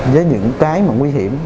với những cái mà nguy hiểm